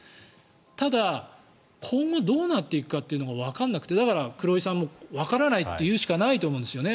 ただ、今後どうなっていくかというのがわからなくてだから黒井さんもわからないと言うしかないと思うんですよね。